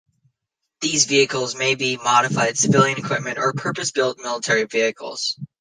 These vehicles may be modified civilian equipment or purpose-built military vehicles.